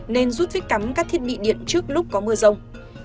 nên rút phí cắm các thiết bị điện trước lúc có mưa rông